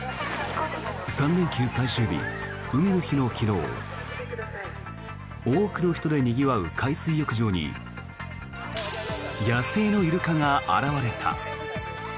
３連休最終日海の日の昨日多くの人でにぎわう海水浴場に野生のイルカが現れた。